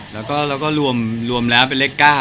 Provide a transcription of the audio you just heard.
แล้วก็รวมแล้วเป็นเลข๙